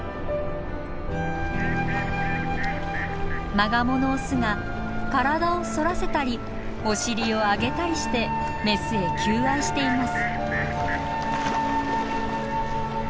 マガモのオスが体を反らせたりお尻を上げたりしてメスへ求愛しています。